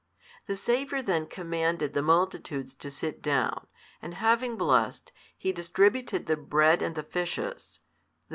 The Saviour then commanded the multitudes to sit down, and having blessed, He distributed the bread and the fishes, i.